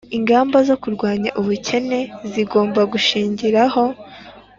ingamba zo kurwanya ubukene zigomba gushingiraho